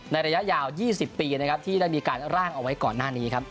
ระยะยาว๒๐ปีนะครับที่ได้มีการร่างเอาไว้ก่อนหน้านี้ครับ